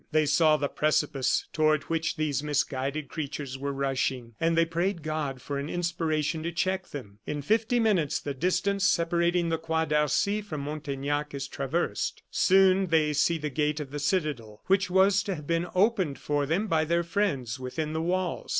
They saw the precipice toward which these misguided creatures were rushing, and they prayed God for an inspiration to check them. In fifty minutes the distance separating the Croix d'Arcy from Montaignac is traversed. Soon they see the gate of the citadel, which was to have been opened for them by their friends within the walls.